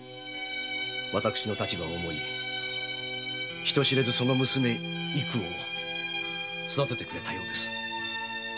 私の立場を思い人知れずその娘を育ててくれたようです。